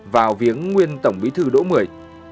vào viếng nguyên tổng bí thư đỗ mười